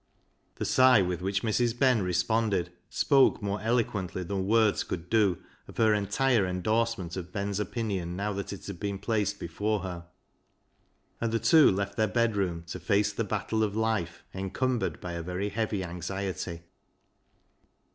The sigh with which Mrs. Ben responded spoke more eloquently than words could do of her entire endorsement of Ben's opinion now that it had been placed before her, and the two left their bedroom to face the battle of life encumbered by a very heavy anxiety.